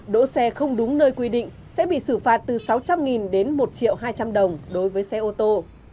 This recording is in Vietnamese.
đỗ xe không đúng nơi quy định sẽ bị xử phạt từ sáu trăm linh đến một hai trăm linh đồng đối với xe ô tô